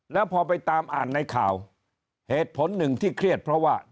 แล้วพอไปตามอ่านในข่าวเหตุผลหนึ่งที่เครียดเพราะว่า